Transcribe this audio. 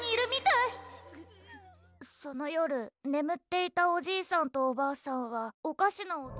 「その夜ねむっていたおじいさんとおばあさんはおかしな音」。